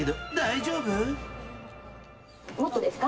もっとですか？